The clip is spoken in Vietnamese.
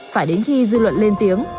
phải đến khi dư luận lên tiếng